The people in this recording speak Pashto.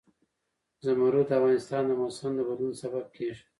زمرد د افغانستان د موسم د بدلون سبب کېږي.